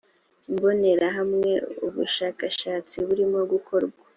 imbonerahamwe ubushakashatsi burimo gukorwa